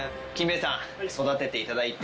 育てていただいて。